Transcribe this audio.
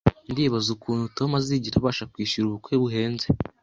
Ndibaza ukuntu Tom azigera abasha kwishyura ubukwe buhenze